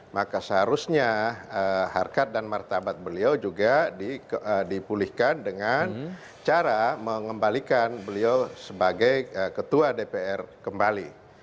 maka seharusnya harkat dan martabat beliau juga dipulihkan dengan cara mengembalikan beliau sebagai ketua dpr kembali